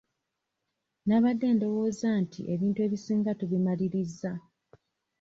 Nabadde ndowooza nti ebintu ebisinga tubimalirizza.